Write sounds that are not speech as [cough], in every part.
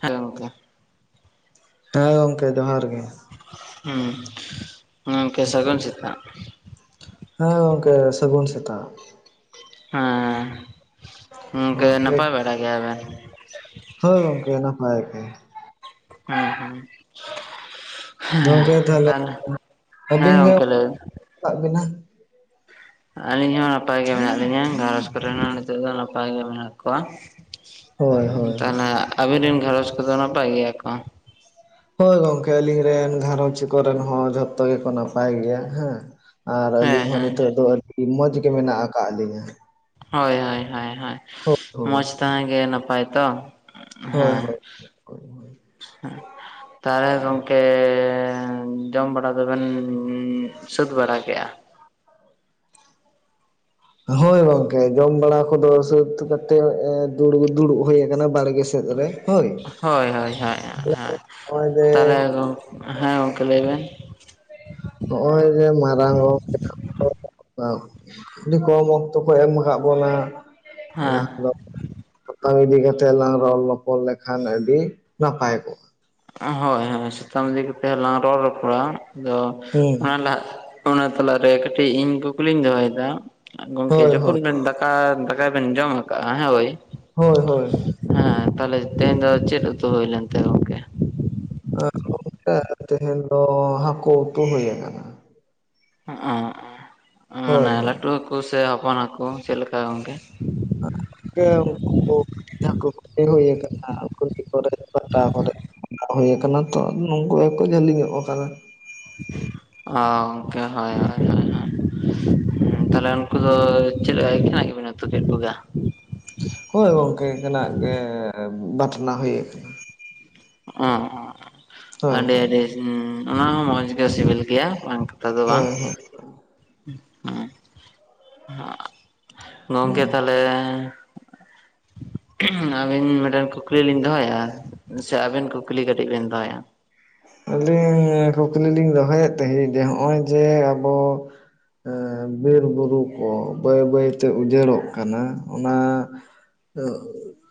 ᱦᱮ ᱜᱚᱝᱠᱮ ᱦᱮᱸ ᱜᱚᱝᱠᱮ ᱡᱚᱦᱟᱨ ᱜᱮ᱾ ᱦᱩᱸ ᱦᱩᱸ ᱠᱮ ᱥᱟᱹᱜᱩᱱ ᱥᱮᱛᱟᱜ᱾ ᱦᱮᱸ ᱜᱚᱝᱠᱮ ᱥᱟᱹᱜᱩᱱ ᱥᱮᱛᱟᱜ᱾ ᱦᱮᱸ ᱦᱩᱸ ᱠᱮ ᱱᱟᱯᱟᱭ ᱵᱟᱲᱟ ᱜᱮᱭᱟᱵᱮᱱ? ᱦᱮᱸ ᱜᱚᱝᱠᱮ ᱱᱟᱯᱟᱭ ᱜᱮ᱾ ᱦᱩᱸ ᱦᱩᱸ ᱜᱚᱝᱠᱮ ᱦᱮᱸ ᱛᱟᱦᱚᱞᱮ ᱛᱟᱞ ᱦᱮᱸ ᱟᱹᱵᱤᱱ ᱜᱮ ᱜᱚᱝᱠᱮ ᱞᱟᱹᱭ ᱢᱮ [inaudible] ᱟᱹᱞᱤᱧ ᱦᱚᱸ ᱱᱟᱯᱟᱭ ᱜᱮ ᱢᱮᱱᱟᱜ ᱞᱤᱧᱟ ᱜᱷᱟᱨᱚᱸᱡᱽ ᱠᱚᱨᱮ ᱦᱚᱸ ᱱᱤᱛᱚᱜ ᱫᱚ ᱱᱟᱯᱟᱭ ᱜᱮ ᱢᱮᱱᱟᱜ ᱠᱚᱣᱟ ᱦᱳᱭ ᱦᱳᱭ ᱦᱳᱭ ᱛᱟᱦᱚᱞᱮ ᱟᱵᱤᱱ ᱨᱮᱱ ᱜᱷᱟᱨᱚᱸᱡᱽ ᱠᱚᱫᱚ ᱱᱟᱯᱟᱭ ᱜᱮᱭᱟ ᱠᱚ? ᱦᱳᱭ ᱜᱚᱝᱠᱮ ᱟᱹᱞᱤᱧ ᱨᱮᱱ ᱜᱷᱟᱨᱚᱸᱡᱽ ᱠᱚᱨᱮᱱ ᱦᱚᱸ ᱡᱷᱚᱛᱚ ᱜᱮᱠᱚ ᱱᱟᱯᱟᱭ ᱜᱮᱭᱟ ᱦᱮᱸ᱾ ᱟᱨ ᱦᱮᱸ ᱟᱹᱞᱤᱧ ᱦᱚᱸ ᱦᱮᱸ ᱱᱤᱛᱚᱜ ᱫᱚ ᱟᱹᱰᱤ ᱢᱚᱸᱡᱽ ᱜᱮ ᱢᱮᱱᱟᱜ ᱟᱠᱟᱜ ᱞᱤᱧᱟᱹ᱾ ᱦᱳᱭ ᱦᱳᱭ ᱦᱳᱭ ᱦᱳᱭ ᱢᱚᱸᱡᱽ ᱛᱟᱦᱮᱸ ᱜᱮ ᱱᱟᱯᱟᱭ ᱛᱚ᱾ ᱦᱳᱭ ᱦᱮᱸ ᱦᱳᱭ ᱾ ᱛᱟᱦᱚᱞᱮ ᱜᱚᱝᱠᱮᱻ ᱡᱚᱢ ᱵᱟᱲᱟ ᱫᱚᱵᱮᱱᱻ ᱥᱟᱹᱛ ᱵᱟᱲᱟ ᱠᱮᱜᱼᱟ? ᱦᱳᱭ ᱜᱚᱝᱠᱮ ᱡᱚᱢ ᱵᱟᱲᱟ ᱠᱚᱫᱚ ᱥᱟᱹᱛ ᱠᱟᱛᱮ ᱫᱩᱲᱩ ᱫᱩᱲᱩᱵ ᱦᱩᱭ ᱟᱠᱟᱱᱟ ᱵᱟᱲᱜᱮ ᱥᱮᱜ ᱾ ᱨᱮ ᱦᱳᱭ ᱦᱳᱭ ᱦᱳᱭ ᱦᱳᱭ ᱦᱳᱭ ᱚᱭ, ᱛᱟᱦᱚᱞᱮ [unintelligible] ᱦᱮᱸ ᱜᱚᱝᱠᱮ ᱞᱟᱹᱭ ᱵᱮᱱ᱾ ᱱᱚᱜᱼᱚᱭ ᱡᱮ ᱢᱟᱨᱟᱝ ᱦᱚᱲ [unintelligible] ᱟᱹᱰᱤ ᱠᱚᱢ ᱚᱠᱛᱚ ᱠᱚ ᱮᱢ ᱟᱠᱟᱫ ᱵᱚᱱᱟ ᱦᱮᱸ ᱡᱟᱦᱟᱸ ᱫᱚ ᱥᱟᱛᱟᱝ ᱤᱫᱤ ᱠᱟᱛᱮ ᱞᱟᱝ ᱨᱚᱲ ᱞᱚᱯᱚᱲ ᱞᱮᱠᱷᱟᱱ ᱟᱹᱰᱤ ᱱᱟᱯᱟᱭ ᱠᱚᱜᱼᱟ᱾ ᱦᱳᱭ ᱦᱳᱭ ᱥᱟᱛᱟᱢ ᱫᱤ ᱠᱟᱛᱮ ᱦᱚᱞᱟᱝ ᱨᱚᱲ ᱨᱚᱯᱚᱲᱟ ᱟᱫᱚ ᱦᱮᱸ ᱚᱱᱟ ᱞᱟᱦᱟ ᱚᱱᱟ ᱛᱟᱞᱟᱨᱮ ᱠᱟᱹᱴᱤᱡ ᱤᱧ ᱠᱩᱠᱞᱤᱧ ᱫᱚᱦᱚᱭᱮᱫᱟ, ᱜᱚᱝᱠᱮ ᱦᱳᱭ ᱡᱚᱠᱷᱚᱱ ᱦᱳᱭ ᱵᱤᱱ ᱫᱟᱠᱟ ᱫᱟᱠᱟᱭ ᱵᱮᱱ ᱡᱚᱢ ᱟᱠᱟ ᱟᱜ ᱦᱮᱸ ᱳᱭ ᱦᱳᱭ ᱦᱳᱭ ᱾ ᱦᱮᱸ ᱛᱟᱦᱞᱮ ᱛᱮᱦᱮᱧ ᱫᱚ ᱪᱮᱫ ᱩᱛᱩ ᱦᱩᱭ ᱞᱮᱱ [inaudible] [unintelligible] ᱛᱮᱦᱮᱧ ᱫᱚ ᱦᱟᱹᱠᱩ ᱩᱛᱩ ᱦᱩᱭ ᱠᱟᱱᱟ ᱾ [unintelligible] ᱦᱳᱭ ᱢᱟᱱᱮ ᱞᱟ. ᱦᱳᱭ ᱴᱩ ᱠᱚ ᱥᱮ ᱦᱚᱯᱚᱱ ᱦᱟ. ᱠᱩ ᱪᱮᱫ ᱞᱮᱠᱟ ᱜᱚᱝᱠᱮ᱾ [unintelligible] [inaudible] [inaudible] ᱦᱩᱭᱩ ᱟᱠᱟᱱᱟ ᱛᱚ [unintelligible] ᱡᱷᱟᱹᱞᱤ ᱧᱚᱜ ᱟᱠᱟᱱᱟ᱾ ᱚ ᱜᱚᱝᱠᱮ ᱦᱳᱭ ᱳᱭ ᱳᱭ᱾ [inaudible] ᱦᱳᱭ ᱜᱚᱝᱠᱮ ᱮᱠᱮᱱᱟ ᱜᱮ ᱵᱟᱴᱱᱟ ᱦᱩᱭᱩ ᱟᱠᱟᱱᱟ᱾ ᱚ [unintelligible] ᱦᱳᱭ ᱟᱹᱰᱤ- ᱦᱳᱭ ᱟᱹᱰᱤ [unintelligible] ᱚᱱᱟ ᱦᱚᱸ ᱢᱚᱸᱡᱽ ᱜᱮ ᱥᱤᱵᱤᱞ ᱜᱮᱭᱟ ᱵᱟᱝ᱾ [inaudible] ᱦᱳᱭ ᱦᱳᱭ ᱜᱚᱝᱠᱮ ᱦᱩᱸ ᱛᱟᱦᱚᱞᱮᱻ ᱟᱹᱵᱤᱱ ᱢᱤᱫᱴᱮᱱ ᱠᱩᱠᱞᱤ ᱞᱤᱧ ᱫᱚᱦᱚᱭᱟ ᱥᱮ ᱟᱹᱵᱤᱱ ᱠᱩᱠᱞᱤ ᱠᱟᱹᱴᱤᱡ ᱵᱤᱱ ᱫᱚᱦᱚᱭᱟ? ᱟᱹᱞᱤᱧ ᱠᱩᱠᱞᱤ ᱞᱤᱧ ᱫᱚᱦᱚᱭᱮᱫ ᱛᱟᱦᱮᱸᱜ ᱡᱮ ᱱᱚᱜᱼᱚᱭ ᱡᱮ ᱟᱵᱚ ᱵᱤᱨᱵᱩᱨᱩ ᱠᱚ ᱵᱟᱹᱭ ᱵᱟᱹᱭᱛᱮ ᱩᱡᱟᱹᱲᱚᱜ ᱠᱟᱱᱟ, ᱚᱱᱟ [unintelligible]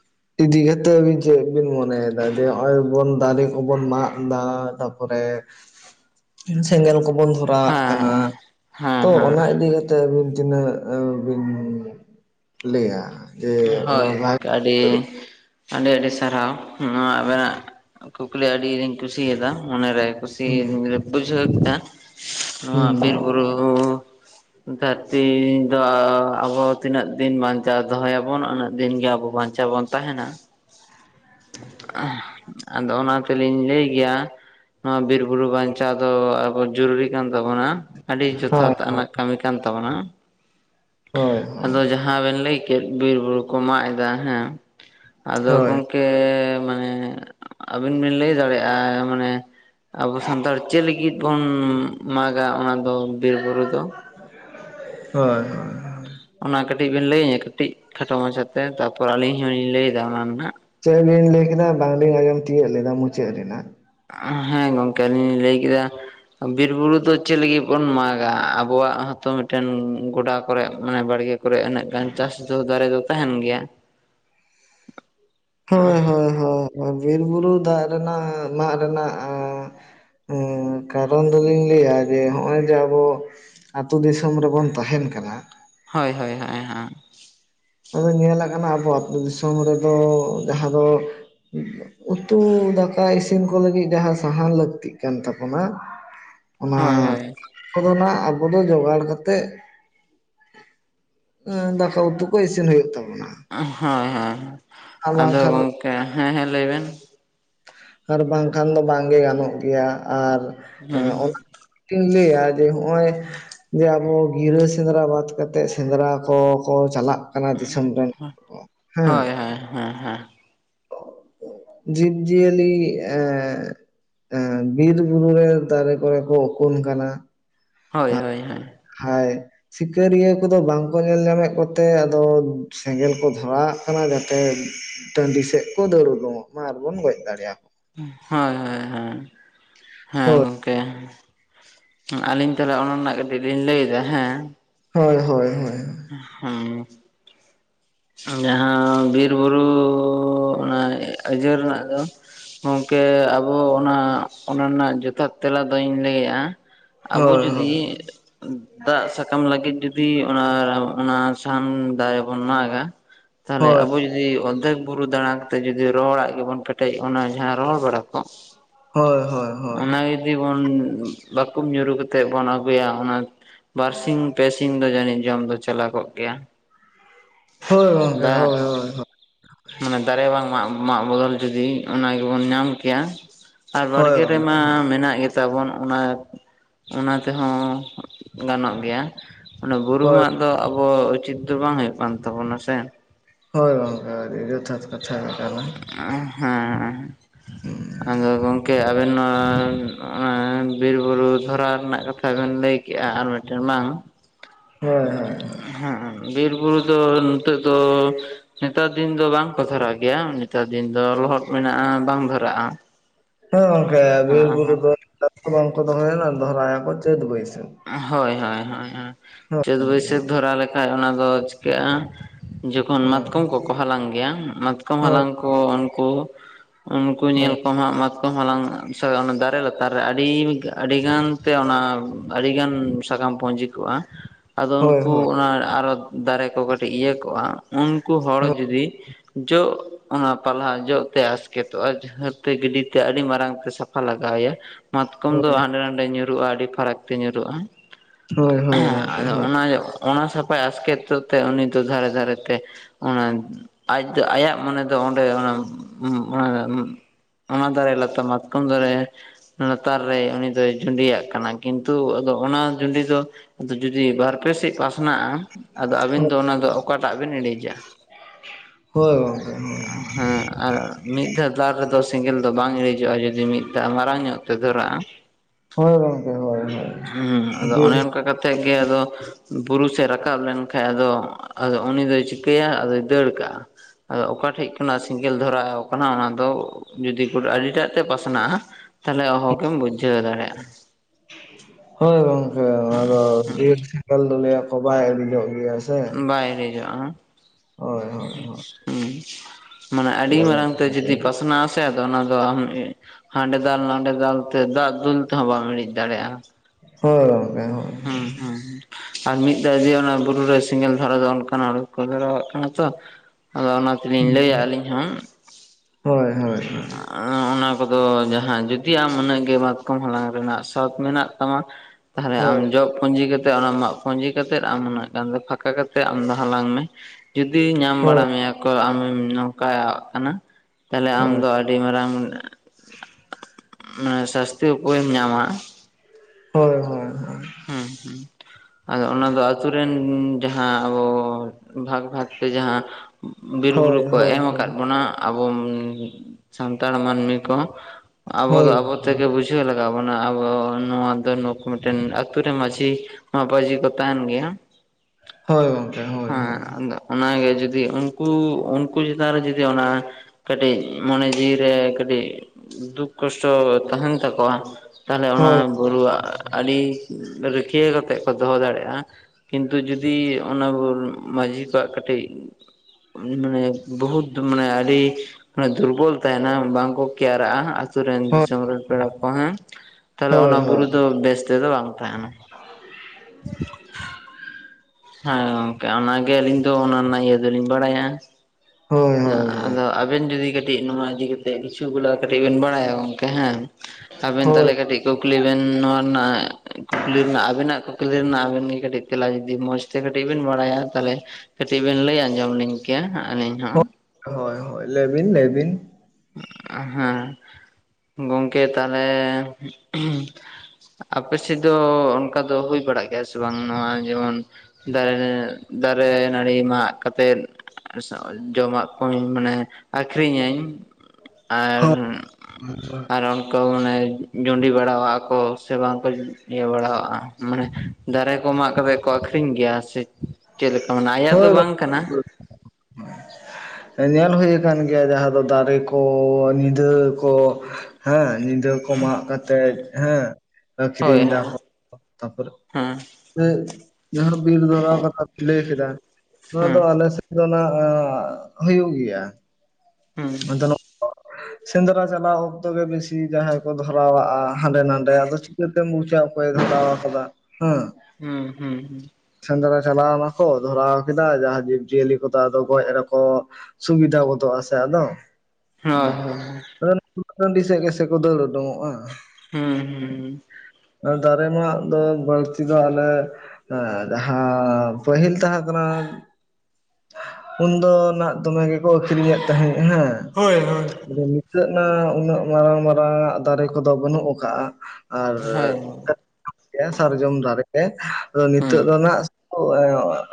ᱤᱫᱤ ᱠᱟᱛᱮᱫ ᱟᱵᱤᱱ ᱪᱮᱫ ᱵᱤᱱ ᱢᱚᱱᱮᱭᱮᱫᱟ ᱡᱮ ᱱᱚᱜ ᱚᱭ ᱵᱚᱱ ᱫᱟᱨᱮ ᱠᱚᱵᱚᱱ ᱢᱟᱜ ᱫᱟ ᱛᱟᱯᱚᱨᱮ, ᱥᱮᱸᱜᱮᱞ ᱠᱚᱵᱚᱱ ᱫᱷᱚᱨ ᱫᱷᱨᱟᱣᱟᱜ ᱠᱟᱱᱟ ᱦᱮᱸ ᱦᱮᱸ ᱛᱚ ᱦᱮᱸ ᱚᱱᱟ ᱤᱫᱤ ᱠᱟᱛᱮ ᱛᱮ ᱟᱹᱵᱤᱱ ᱛᱤᱱᱟᱹᱜ ᱵᱤᱱ ᱞᱟᱹᱭᱟ ᱾ ᱦᱳᱭ [inaudible] ᱟᱹᱰᱤ -ᱟᱹᱰᱤ ᱥᱟᱨᱦᱟᱣ ᱱᱚᱣᱟ ᱟᱵᱮ ᱱᱟᱜ ᱠᱩᱠᱞᱤ ᱟᱹᱰᱤ ᱞᱤᱧ ᱠᱩᱥᱤᱭᱟᱫᱟ ᱢᱚᱱᱮᱨᱮ ᱠᱷᱩᱥᱤ ᱦᱩᱸ ᱵᱩᱡᱷᱟᱹᱣ ᱠᱮᱫᱟ ᱱᱚᱣᱟ ᱦᱩᱸ ᱵᱤᱨ ᱵᱩᱨᱩ ᱫᱷᱟᱹᱨᱛᱤ ᱫᱚ ᱟᱵᱚ ᱛᱤᱱᱟᱹᱜ ᱫᱤᱱ ᱵᱟᱧᱪᱟᱣ ᱫᱚᱦᱚᱭᱟ ᱵᱚᱱ ᱩᱱᱟᱹᱜ ᱫᱤᱱᱜ ᱜᱮ ᱟᱵᱚ ᱵᱟᱧᱪᱟᱣ ᱵᱚᱱ ᱛᱟᱦᱮᱱᱟ᱾ ᱟᱫᱚ ᱚᱱᱟ ᱛᱮᱞᱤᱧ ᱞᱟᱹᱭ ᱜᱮᱭᱟ ᱱᱚᱣᱟ ᱵᱤᱨ ᱵᱩᱨᱩ ᱵᱟᱧᱪᱟᱣ ᱫᱚ ᱟᱵᱚ ᱡᱩᱨᱩᱨᱤ ᱠᱟᱱ ᱛᱟᱵᱚᱱᱟ ᱾ ᱟᱹᱰᱤ ᱦᱳᱭ ᱡᱚᱛᱷᱟᱛ ᱟᱱᱟᱜ ᱠᱟᱹᱢᱤ ᱠᱟᱱ ᱛᱟᱵᱚᱱᱟ᱾ ᱦᱳᱭ ᱦᱳᱭ ᱟᱫᱚ ᱡᱟᱦᱟᱸ ᱵᱮᱱ ᱞᱟᱹᱭ ᱠᱮᱫ ᱵᱤᱨᱵᱩᱨᱩ ᱠᱚ ᱢᱟᱜ ᱮᱫᱟ ᱦᱮᱸ ᱟᱫᱚ ᱦᱳᱭ ᱜᱚᱢᱠᱮ ᱠᱮᱻ ᱢᱟᱱᱮ ᱟᱹᱵᱤᱱ ᱵᱤᱱ ᱞᱟᱹᱭ ᱫᱟᱲᱮᱭᱟᱜᱼᱟ ᱢᱟᱱᱮ ᱟᱵᱚ ᱥᱟᱱᱛᱟᱲ ᱪᱮᱜ ᱞᱤᱜᱤᱫ ᱵᱚᱱ ᱢᱟᱜᱟ ᱚᱱᱟ ᱫᱚ ᱵᱤᱨ ᱵᱩᱨᱩ ᱫᱚ᱾ [unintelligible] ᱦᱳᱭ ᱦᱳ᱾ ᱚᱱᱟ ᱠᱟᱹᱴᱤᱡ ᱵᱮᱱ ᱞᱟᱹᱭ ᱟᱧᱟ ᱠᱟᱹᱴᱤᱡ ᱠᱷᱟᱴᱚ ᱢᱟᱪᱷᱟᱛᱮ ᱛᱟᱯᱚᱨ ᱟᱹᱞᱤᱧ ᱦᱩᱧ ᱞᱮᱭᱫᱟ ᱚᱱᱟ ᱨᱮᱱᱟᱜ᱾ ᱪᱮᱜ ᱵᱤᱱ ᱞᱟᱹᱭ ᱠᱮᱫᱟ ᱵᱟᱝᱞᱤᱧ ᱟᱸᱡᱚᱢ ᱛᱤᱭᱟᱹᱜ ᱞᱮᱫᱟ ᱢᱩᱪᱟᱹᱫ ᱨᱮᱱᱟᱜ᱾ ᱦᱮᱸ ᱜᱚᱝᱠᱮ ᱟᱹᱞᱤᱧ ᱞᱤᱧ ᱞᱮᱭ ᱠᱮᱫᱟ ᱵᱤᱨ ᱵᱩᱨᱩ ᱫᱚ ᱪᱮᱜ ᱞᱤᱜᱤᱫ ᱵᱚᱱ ᱢᱟᱜᱟ, ᱟᱵᱚᱣᱟᱜ ᱦᱚᱸᱛᱚ ᱢᱤᱼᱴᱮᱱ ᱜᱚᱰᱟ ᱠᱚᱨᱮ ᱢᱟᱱᱮ ᱵᱟᱲᱜᱮ ᱠᱚᱨᱮ ᱤᱱᱟᱹᱜ ᱜᱟᱱ ᱪᱟᱥ ᱫᱚ ᱫᱟᱨᱮ ᱫᱚ ᱛᱟᱦᱮᱱ ᱜᱮᱭᱟ ᱾ ᱦᱳᱭ ᱦᱳᱭ ᱦᱳᱭ ᱵᱤᱨ ᱵᱩᱨᱩ ᱫᱟᱜ ᱨᱮᱱᱟᱜ ᱢᱟᱜᱽ ᱨᱮᱱᱟᱜ [inaudible] [inaudible] ᱠᱟᱨᱚᱱ ᱫᱚᱞᱤᱧ ᱞᱮᱭᱟ ᱡᱮ ᱦᱚᱜᱼᱚᱭ ᱡᱮ ᱟᱵᱚ ᱾ ᱟᱹᱛᱩ ᱫᱤᱥᱚᱢ ᱨᱮᱵᱚᱱ ᱛᱟᱸᱦᱮᱱ ᱠᱟᱱᱟ ᱾ ᱦᱳᱭ ᱦᱳᱭ ᱦᱮᱜ ᱦᱟᱸᱜ ᱾ ᱟᱫᱚ ᱧᱮᱞ ᱟᱠᱟᱱᱟ ᱟᱵᱚ ᱟᱛᱳ ᱫᱤᱥᱚᱢ ᱨᱮᱫᱚ ᱡᱟᱦᱟᱸ ᱫᱚ ᱾ ᱩᱛᱩ ᱫᱟᱠᱟ ᱤᱥᱤᱱ ᱠᱚ ᱞᱟᱹᱜᱤᱫ ᱡᱟᱦᱟᱸ ᱥᱟᱦᱟᱱ ᱞᱟᱹᱠᱛᱤᱜ ᱠᱟᱱ ᱛᱟᱵᱚᱱᱟ ᱾ [inaudible] ᱚᱱᱟ ᱦᱳᱭ ᱾ ᱠᱚᱫᱚ ᱱᱟᱜ ᱟᱵᱚ ᱫᱚ ᱡᱚᱜᱟᱲ ᱠᱟᱛᱮᱜ [inaudible] ᱫᱟᱠᱟ ᱩᱛᱩ ᱾ ᱠᱚ ᱤᱥᱤᱱ ᱦᱳᱭᱳᱜ ᱛᱟᱢᱟ ᱾ [unintelligible] ᱟᱫᱚ ᱵᱟᱝᱠᱷᱟᱱ ᱜᱚᱝᱠᱮ ᱦᱮᱸ ᱦᱮᱸ ᱞᱮᱭ ᱵᱮᱱ ᱾ ᱟᱨ ᱵᱟᱝᱠᱷᱟᱱ ᱫᱚ ᱵᱟᱝᱜᱮ ᱜᱟᱱᱚᱜ ᱜᱮᱭᱟ ᱟᱨ ᱦᱩᱸ ᱦᱩᱸ [inaudible] ᱴᱤᱧ ᱞᱮᱭᱟ ᱡᱮ ᱦᱚᱜ ᱚᱭ ᱾ ᱡᱮ ᱟᱵᱚ ᱜᱤᱨᱟᱹ ᱥᱮᱸᱫᱽᱨᱟ ᱵᱟᱫᱽ ᱠᱟᱛᱮᱜ ᱥᱮᱸᱫᱽᱨᱟ ᱠᱚᱠᱚ ᱪᱟᱞᱟᱜ ᱾ ᱠᱟᱱᱟ ᱫᱤᱥᱚᱢ ᱨᱮᱱ ᱚᱜ ᱦᱮᱸ᱾ ᱮᱜ ᱦᱮᱸ ᱦᱮᱸ ᱾ [inaudible] ᱡᱤᱵᱽ ᱡᱤᱭᱟᱹᱞᱤ ᱮᱸ ᱾ ᱮᱸ ᱵᱤᱨ ᱵᱩᱨᱩ ᱨᱮ ᱫᱟᱨᱮ ᱠᱚᱨᱮ ᱠᱚ ᱳᱠᱳᱱ ᱠᱟᱱᱟ ᱾ ᱦᱳᱭ ᱦᱳᱭ ᱦᱳᱭ ᱾ ᱦᱟᱭ ᱾ ᱥᱤᱠᱟᱹᱨᱤᱭᱟᱹ ᱠᱚᱫᱚ ᱵᱟᱝᱠᱚ ᱧᱮᱞ ᱧᱟᱢᱮᱛ ᱠᱚᱛᱮ ᱟᱫᱚ ᱥᱮᱸᱜᱮᱞ ᱠᱚ ᱫᱷᱚᱨᱟᱣᱟᱜ ᱠᱟᱱᱟ ᱡᱟᱛᱮ ᱾ ᱴᱟᱺᱰᱤ ᱥᱮᱫ ᱠᱚ ᱫᱟᱹᱨ ᱳᱰᱳᱜᱚᱜᱼᱢᱟ ᱟᱨᱵᱚᱱ ᱜᱚᱡᱽ ᱫᱟᱲᱮᱭᱟ ᱾ ᱦᱳᱭ ᱦᱳᱭ ᱦᱳᱭ ᱦᱮᱸ ᱦᱳᱭ ᱜᱚᱝᱠᱮ ᱾ ᱯᱮ ᱟᱹᱞᱤᱧ ᱛᱷᱟᱞᱮ ᱚᱱᱚᱱᱱᱟ ᱠᱟᱹᱴᱤᱡ ᱞᱤᱧ ᱞᱟᱹᱭ ᱫᱟ ᱦᱮᱸ ᱾ ᱦᱳᱭ ᱦᱳᱭ ᱦᱳᱭ ᱾ [inaudible] ᱡᱟᱸᱦᱟᱸ ᱵᱤᱨ ᱵᱩᱨᱩᱻ ᱚᱱᱟ ᱟᱹᱡᱟᱹᱨ ᱨᱮᱱᱟᱜ ᱫᱚ ᱾ ᱦᱚᱝᱠᱮ ᱟᱵᱚ ᱚᱱᱟ ᱚᱱᱟ ᱱᱟᱜ ᱡᱚᱛᱷᱟᱛ ᱛᱮᱞᱟ ᱫᱚᱧ ᱞᱮᱭᱮ ᱾ ᱟᱵᱚ ᱦᱳᱭ ᱡᱩᱫᱤ ᱫᱟᱜ ᱥᱟᱠᱟᱢ ᱞᱟᱹᱜᱤᱫ ᱡᱩᱫᱤ ᱚᱱᱟ ᱾ ᱚᱱᱟ ᱥᱟᱱ ᱫᱟᱭᱮ ᱵᱚᱱ ᱢᱟᱜᱟ ᱛᱟᱦᱞᱮ ᱦᱳᱭ ᱟᱵᱚ ᱡᱩᱫᱤ ᱾ ᱡᱤ ᱚᱫᱫᱷᱮᱠ ᱵᱩᱨᱩ ᱫᱟᱲᱟ ᱛᱮ ᱡᱩᱫᱤ ᱨᱚᱦᱚᱲᱟᱜ ᱜᱮᱵᱚᱱ ᱯᱮᱴᱮᱡ ᱚᱱᱟ ᱡᱟᱦᱟᱸ ᱨᱚᱦᱚᱲ ᱵᱟᱲᱟ ᱠᱚᱜ ᱾ ᱦᱳᱭ ᱦᱳᱭ ᱦᱳᱭ ᱾ ᱫᱤ ᱵᱚᱱ ᱵᱟᱠᱩᱵ ᱧᱩᱨᱩ ᱠᱟᱛᱮᱜ ᱵᱚᱱ ᱟᱹᱜᱩᱭᱟ ᱚᱱᱟ ᱾ ᱵᱟᱨ ᱥᱤᱧ ᱯᱮ ᱥᱤᱧ ᱫᱚ ᱡᱟᱹᱱᱤᱡ ᱡᱚᱢ ᱫᱚ ᱪᱟᱞᱟ ᱠᱚᱜ ᱜᱮᱭᱟ ᱦᱳᱭ ᱾ ᱜᱚᱝᱠᱮ ᱫᱟᱜ ᱾ ᱦᱳᱭ ᱦᱳᱭ ᱢᱟᱱᱮ ᱫᱟᱨᱮ ᱵᱟᱝ ᱢᱟᱜ ᱢᱟᱜ ᱵᱚᱫᱚᱞ ᱡᱩᱫᱤ, ᱚᱱᱟ ᱜᱮᱵᱚᱱ ᱧᱟᱢ ᱠᱮᱭᱟ ᱾ ᱟᱨ ᱦᱳᱭ ᱵᱟᱲᱜᱮ ᱜᱚᱝᱠᱮ ᱨᱮᱢᱟ ᱦᱳᱭ ᱢᱮᱱᱟᱜ ᱜᱮᱛᱟᱵᱚᱱ, ᱚᱱᱟ ᱚᱱᱟ ᱛᱮᱦᱚᱸ ᱾ ᱜᱟᱱᱚᱜ ᱜᱮᱭᱟ᱾ ᱚᱱᱟ ᱵᱩᱨᱩ ᱦᱳᱭ ᱢᱟᱜ ᱫᱚ ᱟᱵᱚ ᱩᱪᱤᱛ ᱫᱚ ᱵᱟᱝ ᱦᱩᱭᱩᱜ ᱠᱟᱱ ᱛᱟᱵᱚᱱᱟ ᱥᱮ ᱾ ᱦᱳᱭ ᱜᱚᱝᱠᱮ, ᱟᱹᱰᱤ ᱡᱚᱛᱷᱟᱛ ᱠᱟᱛᱷᱟ ᱜᱮ ᱠᱟᱱᱟ ᱾ ᱦᱮᱸ, ᱟᱫᱚ ᱜᱚᱝᱠᱮ ᱟᱵᱮᱱ ᱱᱚᱣᱟ, ᱵᱤᱨ ᱵᱩᱨᱩ ᱫᱷᱚᱨᱟ ᱨᱮᱱᱟᱜ ᱠᱟᱛᱷᱟ ᱵᱮᱱ ᱞᱮᱭ ᱠᱮᱜᱼᱟ᱾ ᱟᱨ ᱢᱤᱫ ᱴᱤᱨᱢᱟᱝ [unintelligible] ᱾ ᱦᱳᱭ, ᱦᱳᱭ ᱾ ᱦᱮᱸ, ᱵᱤᱨᱵᱩᱨᱩ ᱫᱚ ᱱᱤᱛᱳᱜ ᱫᱚ ᱾ ᱱᱤᱛᱳᱜ ᱫᱤᱱ ᱫᱚ ᱵᱟᱝᱠᱚ ᱫᱷᱚᱨᱟᱣ ᱜᱮᱭᱟ᱾ ᱱᱮᱛᱟᱨ ᱫᱤᱱ ᱫᱚ ᱞᱚᱦᱚᱫ ᱢᱮᱱᱟᱜᱼᱟ, ᱵᱟᱝ ᱫᱷᱚᱨᱟᱜᱼᱟ ᱾ ᱦᱮᱸ ᱜᱚᱝᱠᱮ, ᱵᱤᱨ ᱵᱩᱨᱩ ᱫᱚ ᱱᱮᱛᱟᱨ ᱫᱚ ᱵᱟᱝᱠᱚ ᱫᱷᱚᱨᱟᱣᱼᱟ᱾ ᱫᱷᱚᱨᱟᱣ ᱟᱠᱚ ᱪᱟᱹᱛ ᱵᱟᱹᱭᱥᱟᱹᱠ ᱾ ᱦᱳᱭ, ᱦᱳᱭ, ᱦᱳᱭ᱾ ᱪᱟᱹᱛ ᱵᱟᱹᱭᱥᱟᱹᱠᱷ ᱫᱷᱚᱨᱟᱣ ᱞᱮᱠᱷᱟᱡᱽ ᱚᱱᱟ ᱫᱚ ᱪᱤᱠᱟᱹᱜᱼᱟ ᱾ ᱡᱚᱠᱷᱚᱱ ᱢᱟᱛᱠᱚᱢ ᱠᱚᱠᱚ ᱦᱟᱞᱟᱝ ᱜᱮᱭᱟ, ᱢᱟᱛᱠᱚᱢ ᱦᱳᱭ ᱦᱟᱞᱟᱝ ᱠᱚ ᱩᱱᱠᱩ ᱩᱱᱠᱩ ᱧᱮᱞ ᱦᱳᱭ ᱠᱚᱢ ᱦᱟᱸᱜ ᱢᱟᱛ ᱦᱟᱞᱟᱝ ᱚᱱᱟ ᱫᱟᱨᱮ ᱞᱟᱛᱟᱨ ᱨᱮ, ᱟᱹᱰᱤ ᱟᱹᱰᱤ ᱜᱟᱱ ᱛᱮ ᱚᱱᱟ ᱟᱹᱰᱤ ᱜᱟᱱ ᱥᱟᱠᱟᱢ ᱯᱩᱸᱡᱤ ᱠᱚᱜᱼᱟ, ᱟᱫᱚ ᱦᱳᱭ ᱩᱱᱠᱩ ᱦᱳᱭ ᱚᱱᱟ ᱟᱨᱚ ᱫᱟᱨᱮ ᱠᱚ ᱠᱟᱹᱴᱤᱡ ᱤᱭᱟᱹ ᱠᱚᱼᱟ᱾ ᱩᱱᱠᱩ ᱦᱚᱲ ᱦᱳᱭ ᱡᱩᱫᱤ ᱡᱚᱜ ᱚᱱᱟ ᱯᱟᱞᱦᱟ ᱡᱚᱜ ᱛᱮ ᱟᱥᱠᱮᱛᱚᱜᱼᱟᱭ, ᱦᱟᱹᱨᱛᱮ ᱜᱤᱰᱤᱛᱮ ᱟᱹᱰᱤ ᱢᱟᱨᱟᱝ ᱛᱮ ᱥᱟᱯᱷᱟ ᱞᱟᱜᱟᱣ ᱮᱭᱟ᱾ ᱢᱟᱛᱠᱚᱢ ᱫᱚ, ᱦᱳᱭ ᱦᱟᱸᱰᱮ ᱱᱟᱰᱮ ᱧᱩᱨᱩᱜᱼᱟ ᱟᱹᱰᱤ ᱯᱷᱟᱨᱟᱠ ᱛᱮ ᱧᱩᱨᱩᱜᱼᱟ᱾ ᱦᱳᱭ ᱦᱳᱭ ᱜᱚᱝᱠᱮ ᱟᱫᱚ ᱦᱳᱭ ᱚᱱᱟ ᱚᱱᱟ ᱥᱟᱯᱷᱟᱭ ᱟᱥᱠᱮᱛ ᱛᱮ, ᱩᱱᱤ ᱫᱚ ᱫᱷᱟᱨᱮ ᱫᱷᱟᱨᱮ ᱛᱮ ᱚᱱᱟ ᱟᱡ ᱫᱚ ᱟᱭᱟᱜ ᱢᱚᱱᱮ ᱫᱚ ᱚᱸᱰᱮ [unintelligible] ᱚᱱᱟ ᱫᱟᱨᱮ ᱞᱟᱛᱟᱨ ᱢᱟᱛᱠᱚᱢ ᱫᱟᱨᱮ ᱞᱟᱛᱟᱨ ᱨᱮ, ᱩᱱᱤ ᱫᱚᱭ ᱡᱩᱸᱰᱤᱭᱟᱜ ᱠᱟᱱᱟ᱾ ᱠᱤᱱᱛᱩ ᱟᱫᱚ ᱚᱱᱟ ᱡᱩᱰᱤ ᱫᱚ ᱡᱩᱫᱤ ᱵᱟᱨᱯᱮ ᱥᱮᱡ ᱯᱟᱥᱱᱟᱜᱼᱟ᱾ ᱟᱫᱚ ᱟᱵᱤᱱ ᱫᱚ ᱚᱱᱟ ᱫᱚ ᱚᱠᱟᱴᱟᱜ ᱵᱤᱱ ᱤᱬᱤᱡᱟ᱾ ᱦᱳᱭ ᱜᱚᱝᱠᱮ ᱦᱮᱸ, ᱚᱱᱟ ᱟᱨ ᱢᱤᱫ ᱫᱷᱟᱣ ᱫᱟᱞ ᱨᱮᱫᱚ ᱥᱮᱸᱜᱮᱞ ᱫᱚ ᱵᱟᱝ ᱤᱬᱤᱡᱚᱜᱼᱟ ᱡᱩᱫᱤ ᱢᱤᱫ ᱫᱷᱟᱣ ᱢᱟᱨᱟᱝ ᱧᱚᱜ ᱛᱮ ᱫᱷᱚᱨᱟᱜᱼᱟ ᱦᱳᱭ ᱜᱚᱝᱠᱮ᱾ ᱦᱳᱭ ᱦᱳᱭ᱾᱾ ᱦᱩᱸ᱾ ᱟᱫᱚ ᱵᱤᱨ ᱚᱱᱮ ᱚᱱᱠᱟ ᱠᱟᱛᱮᱫ ᱜᱮ ᱟᱫᱚ ᱵᱩᱨᱩ ᱥᱮᱫ ᱨᱟᱠᱟᱵ ᱞᱮᱱᱠᱷᱟᱡ ᱟᱫᱚ ᱟᱫᱚ ᱩᱱᱤ ᱫᱚᱭ ᱪᱤᱠᱟᱹᱭᱟ, ᱟᱫᱚᱭ ᱫᱟᱹᱲ ᱠᱟᱜᱼᱟ᱾ ᱟᱫᱚ ᱚᱠᱟᱴᱷᱮᱡ ᱠᱷᱚᱱᱟᱜ ᱥᱮᱸᱜᱮᱞ ᱫᱷᱚᱨᱟᱣ ᱠᱟᱱᱟ, ᱚᱱᱟ ᱫᱚ ᱡᱩᱫᱤ ᱟᱹᱰᱤᱴᱟᱜ ᱛᱮ ᱯᱟᱥᱱᱟᱜᱼᱟ᱾ ᱛᱟᱦᱚᱞᱮ ᱚᱦᱚᱜᱮᱢ ᱵᱩᱡᱷᱟᱹᱣ ᱫᱟᱲᱮᱭᱟᱜᱼᱟ᱾ ᱦᱳᱭ ᱜᱚᱝᱠᱮ ᱱᱚᱣᱟ ᱫᱚ, ᱡᱤᱭᱳᱥᱤᱠᱮᱞ ᱫᱚ ᱞᱟᱹᱭᱟ ᱠᱚ ᱵᱟᱭ ᱟᱹᱬᱤᱡᱚᱜ ᱵᱟᱭ ᱟᱹᱬᱤᱡᱚᱜ-ᱟ ᱾ ᱦᱳᱭ ᱦᱳᱭ ᱦᱳᱭ ᱦᱩᱸ᱾ ᱢᱟᱱᱮ, ᱟᱹᱰᱤ ᱟᱸᱡᱚᱢᱚᱜ ᱢᱟᱨᱟᱝ ᱠᱟᱱ ᱛᱮ ᱡᱩᱫᱤ ᱜᱮᱭᱟ ᱯᱟᱥᱱᱟᱣ ᱥᱮ ᱟᱫᱚ ᱚᱱᱟ ᱫᱚ ᱟᱢ ᱦᱟᱸᱰᱮ ᱫᱟᱞ ᱱᱟᱰᱮ ᱫᱟᱞ ᱛᱮ, ᱫᱟᱜ ᱫᱩᱞ ᱛᱮᱦᱚᱸ ᱵᱟᱢ ᱟᱹᱬᱤᱡ ᱫᱟᱲᱮᱭᱟᱜᱼᱟ᱾ ᱦᱳᱭ ᱜᱚᱝᱠᱮ, ᱦᱳᱭ ᱾ ᱦᱩᱸ᱾ ᱦᱩᱸ ᱦᱩᱸ᱾ ᱟᱨ ᱢᱤᱫ ᱫᱷᱟᱣ ᱡᱮ ᱚᱱᱟ ᱵᱩᱨᱩ ᱨᱮ ᱥᱮᱸᱜᱮᱞ ᱫᱷᱟᱨᱟ ᱫᱚ ᱚᱱᱠᱟᱱᱟᱜ ᱨᱩᱯ ᱠᱚ ᱫᱷᱚᱨᱟᱣᱟᱜ ᱠᱟᱱᱟ ᱛᱚ᱾ ᱚᱱᱟ ᱛᱮᱞᱤᱧ ᱞᱟᱹᱭᱟ ᱟᱹᱞᱤᱧ ᱦᱚᱸ ᱦᱳᱭ, ᱦᱳᱭ, ᱦᱳᱭ ᱾ ᱚᱱᱟ ᱠᱚᱫᱚ ᱡᱟᱦᱟᱸ ᱡᱩᱫᱤ ᱟᱢ ᱩᱱᱟᱹᱜ ᱜᱮ, ᱢᱟᱛᱠᱚᱢ ᱦᱟᱞᱟᱝ ᱨᱮᱱᱟᱜ ᱥᱟᱫᱽ ᱢᱮᱱᱟᱜ ᱛᱟᱢᱟ᱾ ᱛᱟᱦᱚᱞᱮ ᱟᱢ, ᱦᱳᱭ ᱡᱚᱜ ᱯᱩᱸᱡᱤ ᱠᱟᱛᱮᱫ ᱚᱱᱟ ᱢᱟᱜ ᱯᱩᱸᱡᱤ ᱠᱟᱛᱮᱫ, ᱟᱢ ᱩᱱᱟᱹᱜ ᱜᱟᱱ ᱫᱚ ᱯᱷᱟᱸᱠᱟ ᱠᱟᱛᱮᱫ ᱟᱢ ᱫᱚ ᱦᱟᱞᱟᱝ ᱢᱮ᱾ ᱡᱩᱫᱤ ᱧᱟᱢ ᱵᱟᱲᱟ ᱦᱳᱭ ᱢᱮᱭᱟ ᱠᱚ, ᱟᱢᱮᱢ ᱱᱚᱝᱠᱟᱣᱟᱜ ᱠᱟᱱᱟ᱾ ᱛᱟᱦᱚᱞᱮ ᱟᱢ ᱫᱚ ᱟᱹᱰᱤ ᱢᱟᱨᱟᱝ ᱢᱟᱱᱮ ᱥᱟᱥᱛᱤ ᱩᱯᱟᱹᱭᱮᱢ ᱧᱟᱢᱟ᱾ ᱦᱳᱭ ᱦᱳᱭ, [inaudible] ᱦᱩᱸ ᱦᱩᱸ ᱟᱫᱚ ᱚᱱᱟ ᱫᱚ ᱟᱛᱳ ᱨᱮᱱᱻ ᱡᱟᱦᱟᱸ ᱟᱵᱚ ᱵᱷᱟᱜᱽ ᱵᱷᱟᱜᱽ ᱛᱮ ᱡᱟᱦᱟᱸ ᱵᱤᱨ ᱵᱩᱨᱩ ᱦᱳᱭ ᱦᱳᱭ ᱦᱳᱭ ᱠᱚ ᱮᱢ ᱟᱠᱟᱫ ᱵᱚᱱᱟᱜ ᱟᱵᱚᱻᱢ ᱥᱟᱱᱛᱟᱲ ᱢᱟᱹᱱᱢᱤ ᱠᱚ ᱟᱵᱚ ᱦᱳᱭ ᱫᱚ ᱟᱵᱚ ᱛᱮᱜᱮ ᱵᱩᱡᱷ- ᱡᱷᱟᱹᱣ ᱞᱟᱜᱟᱣ ᱟᱵᱚᱱᱟ, ᱟᱵᱚ ᱱᱚᱣᱟ ᱫᱚ ᱱᱩᱠᱩ ᱢᱤᱫᱴᱮᱱ ᱟᱹᱛ- ᱛᱩ ᱨᱮ ᱢᱟᱺᱡᱷᱤ ᱢᱟᱺᱯᱟᱡᱷᱤ ᱠᱚ ᱛᱟᱦᱮᱸᱱ ᱜᱮᱭᱟ, ᱦᱳᱭ ᱜᱚᱝᱠᱮ, ᱦᱚᱸ᱾ ᱦᱮᱸ ᱟᱫᱚ ᱚᱱᱟᱜᱮ ᱡᱩᱫᱤ ᱩᱱᱠᱩ, ᱩᱱᱠᱩ ᱪᱮᱛᱟᱱ ᱨᱮ ᱡᱩᱫᱤ ᱚᱱᱟ ᱠᱟᱹᱴᱤᱡ ᱢᱚᱱᱮ ᱡᱤᱣᱤ ᱨᱮ ᱠᱟᱹᱴᱤᱡ ᱫᱩᱠ ᱠᱚᱥᱴᱚ ᱛᱟᱦᱮᱸᱱ ᱛᱟᱠᱚᱣᱟ ᱛᱟᱦᱮᱞᱮ ᱚᱱᱟ ᱦᱳᱭ ᱵᱩᱨᱩᱣᱟᱜ ᱟᱹᱰᱤ ᱨᱟᱹᱠᱷᱤᱭᱟᱹ ᱠᱟᱛᱮᱜ ᱠᱚ ᱫᱚᱦᱚ ᱫᱟᱲᱮᱜᱼᱟ, ᱠᱤᱱᱛᱩ ᱡᱩᱫᱤ ᱚᱱᱟ ᱵᱷᱩᱞ ᱢᱟᱺᱡᱷᱤ ᱠᱚᱣᱟᱜ ᱠᱟᱹᱴᱤᱡ ᱢᱟᱱᱮ ᱵᱩᱦᱩᱛ ᱢᱟᱱᱮ ᱟᱹᱰᱤ ᱢᱟᱱᱮ ᱫᱩᱨᱵᱚᱞ ᱛᱟᱦᱮᱸᱱᱟ ᱵᱟᱝ ᱠᱚ ᱠᱮᱭᱟᱨᱟᱜᱼᱟ, ᱟ- ᱛᱩ ᱨᱮᱱ ᱫᱤᱥᱚᱢ ᱨᱮᱱ ᱯᱮᱲᱟ ᱠᱚ ᱦᱮᱸ, ᱦᱳᱭ ᱛᱟᱦᱮᱞᱮ ᱦᱳᱭ ᱦᱳᱭ ᱚᱱᱟ ᱵᱩᱨᱩ ᱦᱳᱭ ᱫᱚ ᱵᱮᱥ ᱛᱮᱫᱚ ᱵᱟᱝ ᱛᱟᱦᱮᱸᱱᱟ᱾ [inaudible] ᱦᱟᱸ ᱜᱚᱝᱠᱮ ᱚᱱᱟᱜᱮ ᱟᱹᱞᱤᱧ ᱫᱚ ᱚᱱᱼᱚᱱᱟ ᱤᱭᱟᱹ ᱫᱩᱞᱤᱧ ᱵᱟᱰᱟᱭᱟ᱾ ᱦᱳᱭ᱾ ᱦᱳᱭ ᱟᱫᱚ ᱟᱵᱤᱱ ᱡᱩᱫᱤ ᱠᱟᱹᱴᱤᱡ ᱱᱚᱣᱟ ᱤᱫᱤ ᱠᱟᱛᱮᱜ ᱠᱤᱪᱷᱩ ᱜᱩᱞᱟᱹ ᱠᱟᱹᱴᱤᱡ ᱵᱮᱱ ᱵᱟᱲᱟᱭᱟ ᱜᱚᱝᱠᱮ ᱦᱮᱸ, ᱟᱵᱮᱱ ᱦᱳᱭ ᱛᱟᱦᱮᱞᱮ ᱠᱟᱹᱴᱤᱡ ᱠᱩᱠᱞᱤ ᱵᱮᱱ ᱱᱚᱣᱟ ᱨᱮᱱᱟᱜ ᱠᱩᱠᱞᱤ ᱨᱮᱱᱟᱜ ᱟᱹᱵᱤᱱᱟᱜ ᱠᱩᱠᱞᱤ ᱨᱮᱱᱟᱜ ᱟᱹᱵᱮᱱ ᱜᱮ ᱠᱟᱹᱴᱤᱡ ᱛᱮᱞᱟ ᱡᱩᱫᱤ ᱢᱚᱸᱡᱽ ᱛᱮ ᱠᱟᱹᱴᱤᱡ ᱵᱮᱱ ᱵᱟᱲᱟᱭᱟ ᱛᱟᱦᱮᱞᱮ ᱠᱟᱹᱴᱤᱡ ᱵᱮᱱ ᱞᱟᱹᱭ ᱟᱸᱡᱚᱢ ᱞᱤᱧ ᱠᱮᱭᱟ ᱟᱹᱞᱤᱧ? ᱦᱚᱜ, ᱦᱚᱸ ᱦᱳᱭ ᱦᱳᱭ ᱞᱟᱹᱭ ᱵᱤᱱ ᱞᱟᱹᱭ ᱵᱤᱱ? ᱟᱻᱦᱮᱸ ᱜᱚᱝᱠᱮ ᱛᱟᱦᱮᱞᱮᱻ [unintelligible] ᱟᱯᱮ ᱥᱮᱫ ᱫᱚ ᱚᱱᱠᱟ ᱫᱚ ᱦᱩᱭ ᱵᱟᱲᱟᱜ ᱜᱮᱭᱟ ᱥᱮ ᱵᱟᱝ ᱱᱚᱣᱟ ᱡᱮᱢᱚᱱ ᱫᱟᱨᱮ ᱨᱮ ᱫᱟᱨᱮ ᱱᱟᱹᱲᱤ ᱢᱟᱜ ᱠᱟᱛᱮᱫ [unintelligible] ᱡᱚᱢᱟᱜ ᱠᱚᱦᱩᱧ ᱢᱟᱱᱮ ᱟᱹᱠᱷᱨᱤᱧᱟᱹᱧ? ᱦᱳᱭ ᱟᱨᱻᱦᱚᱸ ᱟᱨᱚ ᱠᱚ ᱢᱟᱱᱮ ᱡᱩᱸᱰᱤ ᱵᱟᱲᱟᱣᱟᱜ ᱠᱚ ᱥᱮ ᱵᱟᱝᱠᱚ ᱤᱭᱟᱹ ᱵᱟᱲᱟᱣᱟᱜᱼᱟ? ᱢᱟᱱᱮᱦ ᱫᱟᱨᱮ ᱠᱚ ᱢᱟᱜ ᱠᱟᱛᱮ ᱠᱚ ᱟᱹᱠᱷᱨᱤᱧ ᱜᱮᱭᱟ ᱥᱮ? ᱪᱮᱫ ᱞᱮᱠᱟ ᱢᱟᱱᱮ ᱟᱭᱟᱜ ᱫᱚ ᱦᱳᱭ ᱵᱟᱝ ᱜᱚᱝ ᱠᱟᱱᱟ [unintelligible] [inaudible] ᱧᱮᱞ ᱦᱩᱭ ᱟᱠᱟᱱ ᱜᱮᱭᱟ ᱡᱟᱦᱟᱸ ᱫᱚ ᱫᱟᱨᱮ ᱠᱚ ᱧᱤᱫᱟᱹ ᱠᱚ ᱦᱮᱸ ᱧᱤᱫᱟᱹ ᱠᱚ ᱢᱟᱜ ᱠᱟᱛᱮᱡ ᱦᱮᱸ ᱦᱳᱭ ᱟᱹᱠᱷᱨᱤᱧ ᱮᱫᱟ ᱠᱚ ᱦᱳᱭ [unintelligible] ᱛᱟᱯᱚᱨᱮᱫ ᱦᱮᱸ ᱦᱮᱸᱜ ᱡᱟᱦᱟᱸ ᱨᱮ ᱵᱤᱞ ᱠᱚ ᱫᱷᱚᱨᱟᱣ ᱠᱟᱛᱷᱟ ᱯᱮ ᱞᱟᱹᱭ ᱠᱮᱫᱟ ᱱᱚᱣᱟ ᱫᱚ ᱦᱮᱸ ᱟᱞᱮ ᱥᱮᱫ ᱫᱚ ᱱᱷᱟᱸᱜ ᱟᱸ ᱦᱩᱭᱩᱜ ᱜᱮᱭᱟ, ᱦᱩᱸ ᱟᱫᱚ ᱱᱚᱝ [inaudible] ᱥᱮᱸᱫᱽᱨᱟ ᱪᱟᱞᱟᱣ ᱚᱠᱛᱚ ᱜᱮ ᱵᱮᱥᱤ ᱡᱟᱦᱟᱸᱭ ᱠᱚ ᱫᱷᱚᱨᱟᱣᱟᱜᱼᱟ, ᱦᱟᱸᱰᱮ ᱱᱟᱸᱰᱮ ᱟᱫᱚ ᱪᱤᱠᱟᱹ- ᱛᱮᱢ ᱵᱩᱡᱽᱼᱟ ᱚᱠᱚᱭᱮ ᱫᱷᱚᱨᱟᱣ ᱟᱠᱟᱫᱟ ᱦᱮᱸ? ᱦᱩᱸ ᱦᱩᱸ, ᱥᱮᱸᱫᱽᱨᱟ ᱪᱟᱞᱟᱣᱮᱱᱟ ᱠᱚ ᱫᱷᱚᱨᱟᱣ ᱠᱮᱫᱟᱭ ᱡᱟᱦᱟᱸ ᱡᱤᱵᱽ ᱡᱤᱭᱟᱹᱞᱤ ᱠᱚᱫᱚ ᱟᱫᱚ ᱜᱚᱡ ᱨᱮᱠᱚ ᱥᱩᱵᱤᱫᱟ ᱜᱚᱫᱚᱜ ᱟᱥ- ᱛᱮ ᱟᱫᱚ! ᱦᱩᱸ, ᱟᱫᱚ ᱩᱱᱠᱩ ᱴᱟᱺᱰᱤ ᱥᱮᱫ ᱜᱮᱥᱮ ᱠᱚ ᱫᱟᱹᱲ ᱩᱰᱩᱝᱼᱚᱜᱼᱟ? ᱦᱩᱸ ᱦᱩᱸ᱾ ᱫᱟᱨᱮ ᱢᱟᱜ ᱫᱚ ᱵᱟᱹᱲᱛᱤ ᱫᱚ ᱟᱞᱮ ᱮᱸᱫ ᱡᱟᱦᱟᱸ ᱯᱟᱹᱦᱤᱞ ᱛᱟᱦᱮᱸ ᱠᱟᱱᱟ᱾ ᱩᱱᱫᱚ ᱱᱟᱜ ᱫᱚᱢᱮ ᱜᱮᱠᱚ ᱟᱹᱠᱷᱨᱤᱧᱮᱫ ᱛᱟᱦᱮᱸᱫ ᱦᱮᱸ, ᱦᱳᱭ ᱦᱳᱭ᱾ ᱟᱫᱚ ᱱᱤᱛᱚᱜ ᱱᱟ ᱩᱱᱟᱹᱜ ᱢᱟᱨᱟᱝ ᱢᱟᱨᱟᱝ ᱟᱜ ᱫᱟᱨᱮ ᱠᱚᱫᱚ ᱵᱟᱹᱱᱩᱜ ᱠᱟᱟᱜᱼᱟ᱾ ᱟᱨ ᱦᱩᱸ ᱦᱳᱭ [unintelligible] ᱥᱟᱨᱡᱚᱢ ᱫᱟᱨᱮ ᱨᱮ ᱟᱫᱚ ᱱᱤᱛᱚᱜ ᱫᱚ ᱱᱟᱸᱜ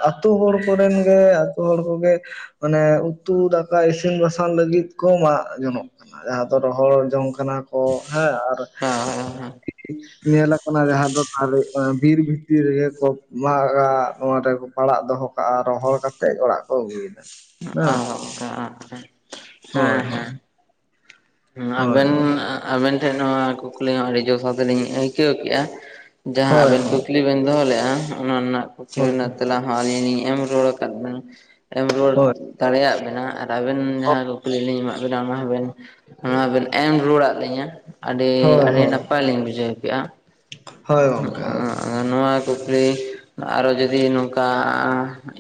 ᱟᱛᱩ ᱦᱚᱲ ᱠᱚᱨᱮᱱ ᱜᱮ ᱟᱛᱩ ᱦᱚᱲ ᱠᱚᱜᱮ ᱢᱟᱱᱮ ᱩᱛᱩ ᱫᱟ ᱚᱱᱠᱟ ᱤᱥᱤᱱ ᱵᱟᱥᱟᱝ ᱞᱟᱹᱜᱤᱫ ᱠᱚ ᱢᱟᱜ ᱡᱚᱱᱚᱜ ᱠᱟᱱᱟ ᱡᱟᱦᱟᱸ ᱫᱚ ᱨᱚᱦᱚᱲ ᱡᱚᱝ ᱠᱟᱱᱟ ᱚ ᱦᱮᱸ ᱟᱨ ᱦᱳᱭ ᱦᱳᱭ ᱦᱩᱸ ᱧᱮᱞᱟᱠ ᱡᱟᱦᱟᱸ ᱫᱚ ᱛᱟᱦᱚᱞᱮ ᱵᱤᱨ ᱵᱷᱤᱛᱤᱨ ᱨᱮᱜᱮ ᱠᱚ ᱢᱟᱜᱟ ᱱᱚᱣᱟ ᱨᱮᱠᱚ ᱯᱟᱲᱟᱜ ᱫᱚᱦᱚ ᱨᱚᱦᱚᱲ ᱠᱟᱛᱮᱫ ᱚᱲᱟᱜ ᱠᱚ ᱟᱹᱜᱩᱭᱫᱟ᱾ ᱚ ᱚᱝᱠᱟ [unintelligible] ᱦᱮᱸ ᱦᱮᱸ᱾ ᱦᱮᱸ ᱟᱵᱮᱱ ᱟᱵᱮᱱ ᱴᱷᱮᱱ ᱱᱚᱣᱟ ᱠᱩᱠᱞᱤ ᱦᱚᱸ ᱟᱹᱰᱤ ᱡᱳᱚᱥᱟᱛᱞᱤᱧ ᱟᱹᱭᱠᱟᱹᱣ ᱠᱮᱫᱮᱜᱼᱟ, ᱡᱟᱦᱟᱸ ᱟᱵᱮᱱ ᱠᱩᱠᱞᱤ ᱵᱮᱱ ᱫᱚᱦᱚ ᱞᱮᱫᱼᱟ ᱚᱱᱟ ᱨᱮᱱᱟᱜ ᱠᱩᱠᱞᱤ ᱨᱮᱱᱟᱜ ᱛᱮᱞᱟ ᱦᱚᱸ ᱟᱞᱤᱧ ᱞᱤᱧ ᱮᱢ ᱨᱩᱣᱟᱹᱲ ᱠᱟᱫ ᱵᱤᱱᱟ ᱮᱢ ᱨᱩᱣᱟᱹᱲ ᱫᱟᱲᱮᱭᱟᱜ ᱵᱮᱱᱟ ᱟᱨ ᱟᱵᱮᱱ ᱡᱟᱦᱟᱸ ᱠᱩᱠᱞᱤ ᱞᱤᱧ ᱮᱟᱜ ᱵᱮᱱᱟ ᱚᱱᱟ ᱦᱚᱸᱵᱮᱱ ᱚᱱᱟ ᱵᱮᱱ ᱮᱢ ᱨᱩᱣᱟᱹᱲᱫ ᱞᱤᱧᱟᱹ ᱟᱹᱰᱤ ᱟᱹᱰᱤ ᱱᱟᱯᱟᱭ ᱞᱤᱧ ᱵᱩᱡᱷᱟᱹᱣ ᱠᱮᱫᱼᱟ᱾ ᱦᱳᱭ ᱜᱚᱝᱠᱮ ᱦᱳᱭ ᱟ ᱱᱚᱣᱟ ᱠᱩᱠᱞᱤ ᱟᱨᱚ ᱡᱩᱫᱤ ᱱᱚᱝᱠᱟ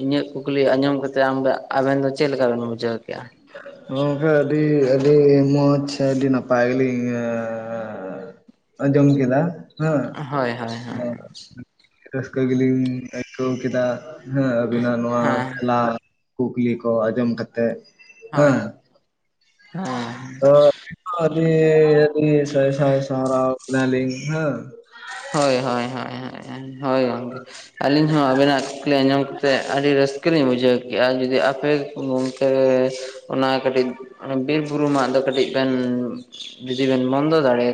ᱤᱧᱟᱹᱜ ᱠᱩᱠᱞᱤ ᱟᱸᱡᱚᱢ ᱠᱟᱛᱮ ᱟᱢ ᱫᱚ ᱟᱵᱮᱱ ᱫᱚ ᱪᱮᱫ ᱞᱮᱠᱟᱵᱱ ᱵᱩᱡᱷᱟᱹᱣ ᱠᱮᱜᱼᱟ? ᱜᱚᱢᱠᱮ ᱟᱹᱰᱤ ᱟᱹᱰᱤ ᱢᱚᱡᱽ ᱟᱹᱰᱤ ᱱᱟᱯᱟᱭ ᱜᱮᱞᱤᱧ ᱟᱸ ᱟᱸᱡᱚᱢ ᱠᱮᱫᱟ᱾ ᱦᱮᱸ ᱦᱳᱭ ᱦᱳᱭ ᱦᱳᱭ᱾ ᱨᱟᱹᱥᱠᱟᱹ ᱜᱮᱞᱤᱧ ᱟᱹᱭᱠᱟᱹᱣ ᱠᱮᱫᱟ, ᱦᱮᱸ ᱟᱹᱵᱤᱱᱟᱜ ᱱᱚᱣᱟ ᱦᱮᱸ ᱛᱮᱞᱟ ᱠᱩᱠᱞᱤ ᱠᱚ ᱟᱸᱡᱚᱢ ᱠᱟᱛᱮᱫ᱾ ᱦᱳᱭ᱾ ᱦᱮᱸ [unintelligible] [unintelligible] ᱟᱹᱰᱤ ᱥᱟᱭ ᱥᱟᱭ ᱥᱟᱨᱟᱣ ᱵᱮᱱᱟᱞᱤᱧ ᱦᱮᱸ, ᱦᱳᱭ ᱦᱳᱭ ᱦᱳᱭ ᱦᱳᱭ ᱜᱚᱝᱠᱮ᱾ ᱟᱹᱞᱤᱧ ᱦᱚᱸ ᱟᱵᱮᱱᱟᱜ ᱠᱩᱠᱞᱤ ᱟᱸᱚᱢ ᱠᱟᱛᱮᱫ ᱟᱹᱰᱤ ᱨᱟᱹᱥ ᱠᱟᱹ ᱞᱤᱧ ᱵᱩᱡᱷᱟᱹᱣ ᱠᱮᱭᱟ, ᱡᱩᱫᱤ ᱟᱯᱮ ᱜᱚᱝᱠᱮ ᱚᱱᱟ ᱠᱟᱹᱴᱤᱡ ᱚᱱᱮ ᱵᱤᱨ-ᱵᱩᱨᱩ ᱢᱟᱜ ᱫᱚ ᱠᱟᱹᱴᱤᱡ ᱵᱮᱱ ᱡᱩᱫᱤ ᱵᱮᱱ ᱵᱚᱱᱫᱚ ᱫᱟᱲᱮ